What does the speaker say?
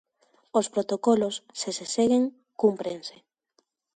Os protocolos, se se seguen, cúmprense.